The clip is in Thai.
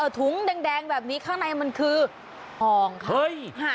ถุงแดงแบบนี้ข้างในมันคืออองค่ะเฮ้ย